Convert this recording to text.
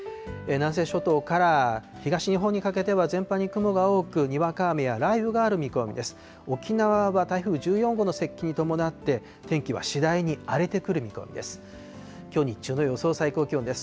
南西諸島から東日本にかけては全般に雲が多く、にわか雨や雷雨がある見込みです。